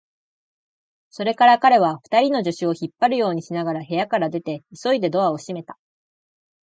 それから彼は、二人の助手を引っ張るようにしながら部屋から出て、急いでドアを閉めた。